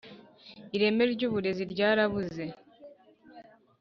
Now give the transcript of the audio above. ireme ry uburezi ryarabuze